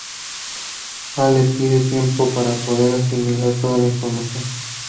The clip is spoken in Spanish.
Hal le pide tiempo para poder asimilar toda la información.